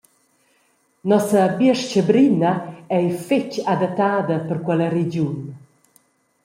Nossa biestga brina ei fetg adattada per quella regiun.